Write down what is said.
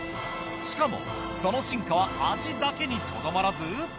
しかもその進化は味だけに留まらず。